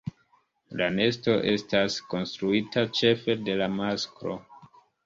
La nesto estas konstruita ĉefe de la masklo.